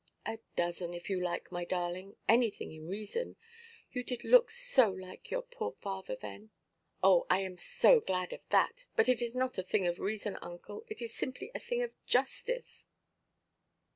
"A dozen, if you like, my darling. Anything in reason. You did look so like your poor father then." "Oh, I am so glad of that. But it is not a thing of reason, uncle; it is simply a thing of justice.